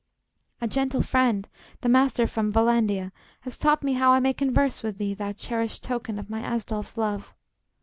] A gentle friend the Master from Vallandia Has taught me how I may converse with thee, Thou cherished token of my Asdolf's love!